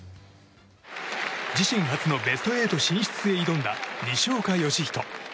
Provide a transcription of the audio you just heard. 自身初のベスト８進出へ挑んだ西岡良仁。